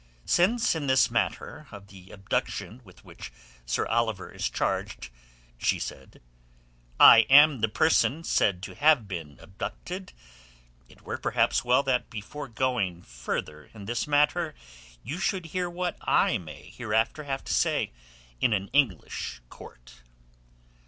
"Since in this matter of the abduction with which Sir Oliver is charged," she said, "I am the person said to have been abducted, it were perhaps well that before going further in this matter you should hear what I may hereafter have to say in an English court."